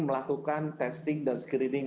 melakukan testing dan screening